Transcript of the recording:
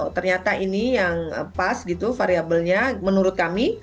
ternyata ini yang pas gitu variabelnya menurut kami